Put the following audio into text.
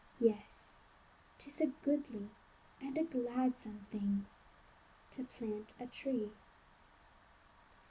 Yes, 'tis a goodly, and a gladsome thing To plant a tree.